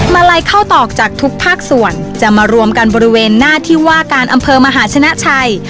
มาลัยเข้าตอกจากทุกภาคส่วนจะมารวมกันบริเวณหน้าที่ว่าการอำเภอมหาชนะชัย